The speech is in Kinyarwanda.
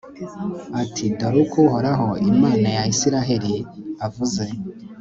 ati dore uko uhoraho, imana ya israheli avuze